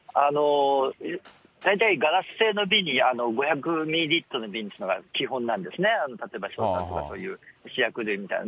大体ガラス製の瓶に、５００ミリリットルの瓶というのが基本なんですね、例えば硝酸とか試薬みたいな。